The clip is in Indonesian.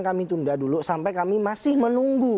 kami tunda dulu sampai kami masih menunggu